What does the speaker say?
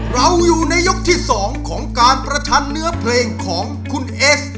เราอยู่ในยกที่๒ของการประชันเนื้อเพลงของคุณเอส